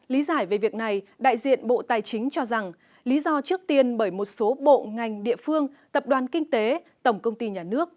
lý giải về việc này đại diện bộ tài chính cho rằng lý do trước tiên bởi một số bộ ngành địa phương tập đoàn kinh tế tổng công ty nhà nước